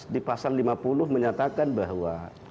di pasal lima puluh menyatakan bahwa